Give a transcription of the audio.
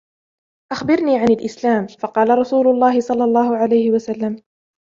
أَخْبِرْنِي عَنِ الإسْلامِ. فَقالَ رسولُ اللهِ صَلَّى اللهُ عَلَيْهِ وَسَلَّمَ